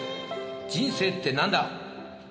人生って何だ』。